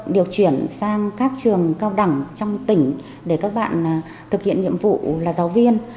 điều chuyển sang các trường cao đẳng trong tỉnh để các bạn thực hiện nhiệm vụ là giáo viên